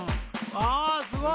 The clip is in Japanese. あすごい！